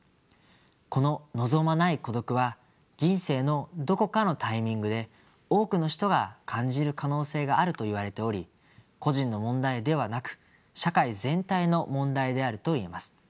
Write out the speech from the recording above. この「望まない孤独」は人生のどこかのタイミングで多くの人が感じる可能性があるといわれており個人の問題ではなく社会全体の問題であると言えます。